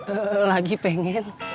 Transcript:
eh lagi pengen